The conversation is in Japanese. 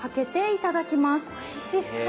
おいしそう。